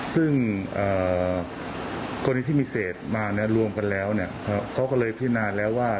ซึ่งกรณีที่มีเศษมารวมกันแล้วเขาก็เลยพินาแล้วว่า